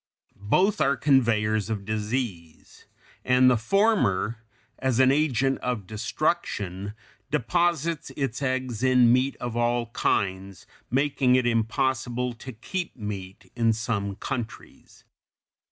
Both are conveyers of disease, and the former, as an agent of destruction, deposits its eggs in meat of all kinds, making it impossible to keep meat in some countries.